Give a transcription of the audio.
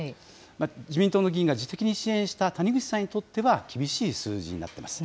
自民党の議員が自主的に支援した谷口さんにとっては、厳しい数字になってます。